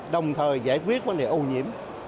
đồng thời giải quyết vấn đề ô nhiễm